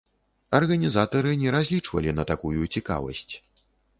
Арганізатары не разлічвалі на такую цікавасць.